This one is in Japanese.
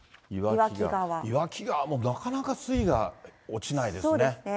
岩木川もなかなか水位が落ちないですね。